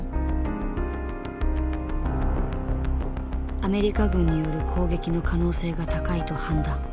アメリカ軍による攻撃の可能性が高いと判断。